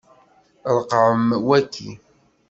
Ṛeqqɛem waki.